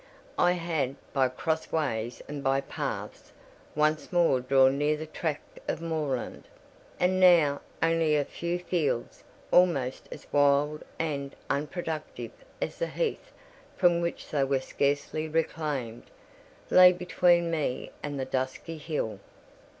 I had, by cross ways and by paths, once more drawn near the tract of moorland; and now, only a few fields, almost as wild and unproductive as the heath from which they were scarcely reclaimed, lay between me and the dusky hill.